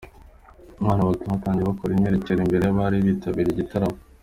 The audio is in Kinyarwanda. Abana bato batangiye bakora imyiyerekano imbere y'abari bitabiriye igitaramo.